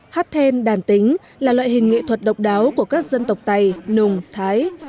hát then đàn tính là loại hình nghệ thuật độc đáo của các dân tộc tây nùng thái